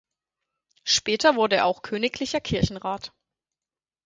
Später wurde er auch Königlicher Kirchenrat.